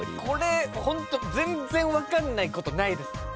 これホント全然分かんないことないです。